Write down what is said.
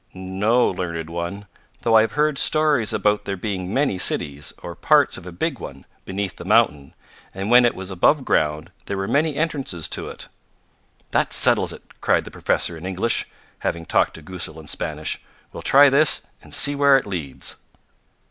"No, Learned One, though I have heard stories about there being many cities, or parts of a big one, beneath the mountain, and when it was above ground there were many entrances to it." "That settles it!" cried the professor in English, having talked to Goosal in Spanish. "We'll try this and see where it leads."